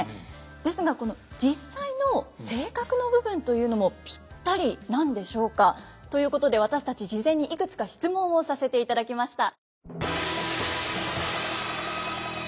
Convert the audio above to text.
ですが実際の性格の部分というのもピッタリなんでしょうか？ということで私たち事前にいくつか質問をさせていただきました。